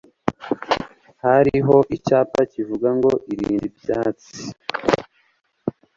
Hariho icyapa kivuga ngo: "Irinde ibyatsi."